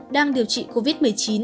đang điều trị covid một mươi chín